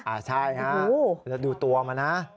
อ่าใช่ครับแล้วดูตัวมานะ